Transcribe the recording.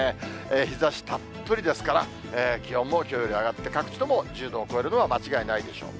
日ざしたっぷりですから、気温もきょうより上がって、各地とも１０度を超えるのは間違いないでしょう。